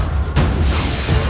ini mah aneh